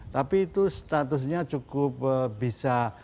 tapi itu statusnya cukup bisa